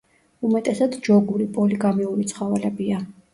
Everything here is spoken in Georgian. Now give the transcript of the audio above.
უმეტესად ჯოგური, პოლიგამიური ცხოველებია.